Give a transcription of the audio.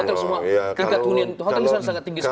tingkat keuntungan itu sangat tinggi sekali